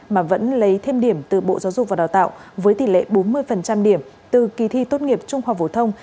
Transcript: mà vẫn lấy thêm điểm từ bộ giáo dục và đào tạo với tỷ lệ bốn mươi điểm từ kỳ thi tốt nghiệp trung học phổ thông